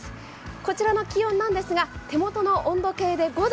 こちらの気温なんですが、手元の温度計で５度。